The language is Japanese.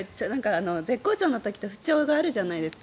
絶好調の時と不調があるじゃないですか。